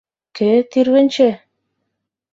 Кӧ тӱрвынчӧ?